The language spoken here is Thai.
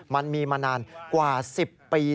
มันมีมานานกว่าสิบปีแล้ว